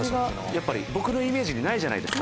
僕のイメージにないじゃないですか。